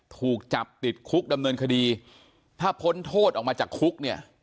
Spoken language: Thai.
ถูกจับติดคุกดำเนินคดีถ้าพ้นโทษออกมาจากคุกเนี่ย